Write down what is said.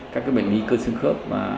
các bệnh lý cơ xương khớp